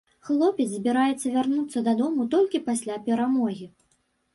Хлопец збіраецца вярнуцца дадому толькі пасля перамогі.